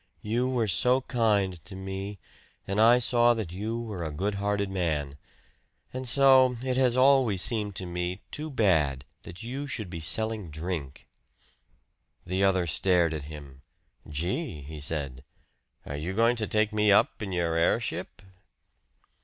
"You were so kind to me, and I saw that you were a good hearted man. And so it has always seemed to me too bad that you should be selling drink." The other stared at him. "Gee!" he said, "are you going to take me up in your airship?"